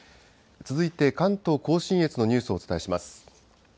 続いて、関東甲信越のニュースをお伝えします。